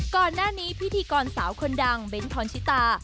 ก่อนหน้านี้พิธีกรสาวคนดังเบ้นพรชิตา